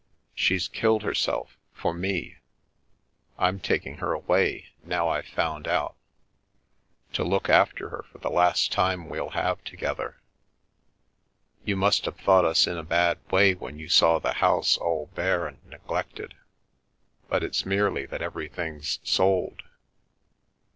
She's killed herself — for me. I'm taking her away, now I've found out, to look after her for the last time we'll have together. You must have thought us in a bad way when you saw the house all bare and neglected, but it's merely that everything's sold.